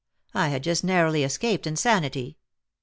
I had just narrowly escaped insanity.